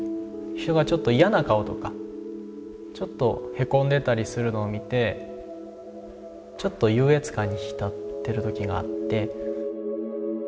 人がちょっと嫌な顔とかちょっとへこんでたりするのを見てちょっと優越感に浸ってる時があって。